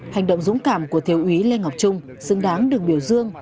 hành động dũng cảm của thiếu úy lê ngọc trung xứng đáng được biểu dương